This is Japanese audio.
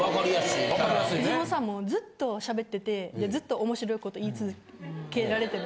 もうずっとしゃべっててでずっと面白いこと言い続けられてる。